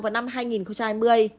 vào năm hai nghìn hai mươi